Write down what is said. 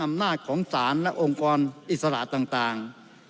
อำนาจของศาลและองค์กรอิสระต่าง